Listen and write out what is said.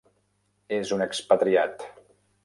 És un expatriat.